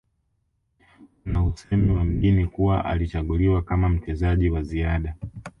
Kuna usemi wa mjini kuwa alichaguliwa kama mchezaji wa ziada